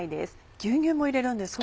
牛乳も入れるんですか？